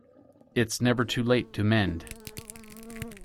It's never too late to mend.